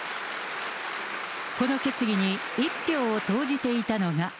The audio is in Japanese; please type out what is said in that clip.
この決議に１票を投じていたのが。